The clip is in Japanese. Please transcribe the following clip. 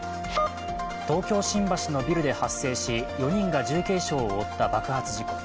東京・新橋のビルで発生し４人が重軽傷を負った爆発事故。